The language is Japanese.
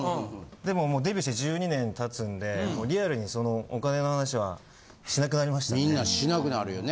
でももうデビューして１２年経つんでリアルにそのお金の話はしなくなりましたね。